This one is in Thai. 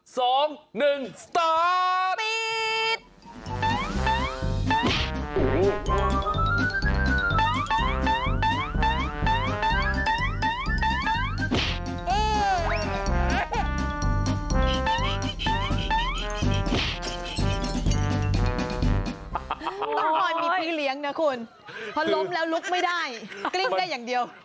ต้องคอยมีพี่เลี้ยงนะคุณพอล้มแล้วลุกไม่ได้กลิ้งได้อย่างเดียว